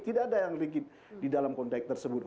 tidak ada yang likit di dalam konteks tersebut